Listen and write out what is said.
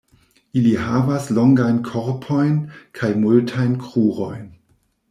Ili havas longajn korpojn kaj multajn krurojn.